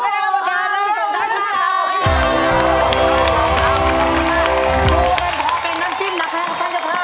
ดูก่อนแม่พ่อเป็นน้ำจิ้มนะครับครับ